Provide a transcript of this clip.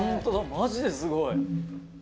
マジですごい！」